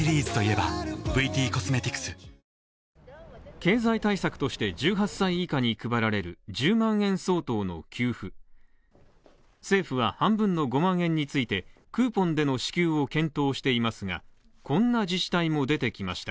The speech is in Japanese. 経済対策として１８歳以下に配られる１０万円相当の給付政府は半分の５万円について、クーポンでの支給を検討していますが、こんな自治体も出てきました。